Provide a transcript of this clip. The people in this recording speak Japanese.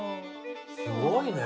すごいね！